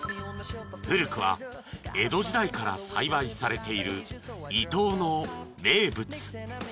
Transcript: ［古くは江戸時代から栽培されている伊東の名物］